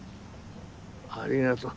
ありがとう。